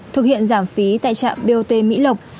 thực hiện giảm phí tại trạm bot mỹ lộc